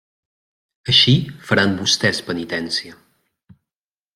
Així, faran vostès penitència.